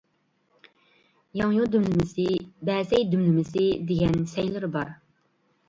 ياڭيۇ دۈملىمىسى، بەسەي دۈملىمىسى دېگەن سەيلىرى بار.